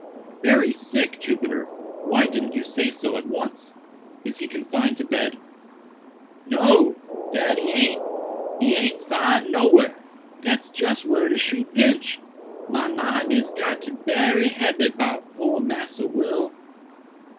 "Very sick, Jupiter!—why didn't you say so at once? Is he confined to bed?" "No, dat he aint!—he aint 'fin'd nowhar—dat's just whar de shoe pinch—my mind is got to be berry hebby 'bout poor Massa Will."